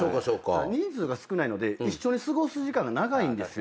人数が少ないので一緒に過ごす時間が長いんですよ。